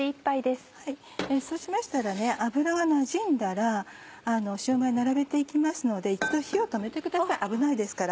そうしましたら油がなじんだらシューマイ並べて行きますので一度火を止めてください危ないですから。